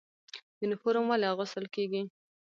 یونفورم ولې اغوستل کیږي؟